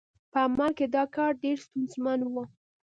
په عمل کې دا کار ډېر ستونزمن و.